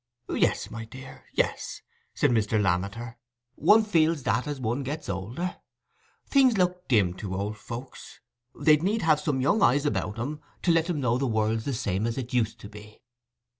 "Yes, my dear, yes," said Mr. Lammeter; "one feels that as one gets older. Things look dim to old folks: they'd need have some young eyes about 'em, to let 'em know the world's the same as it used to be."